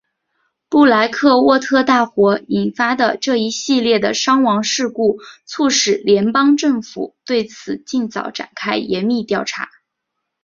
布莱克沃特大火引发的这一系列的伤亡事故促使联邦政府对此尽早展开严密调查。